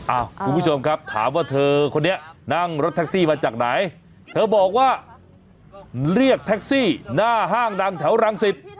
คุณผู้ชมครับถามว่าเธอคนนี้นั่งรถแท็กซี่มาจากไหนเธอบอกว่าเรียกแท็กซี่หน้าห้างดังแถวรังสิต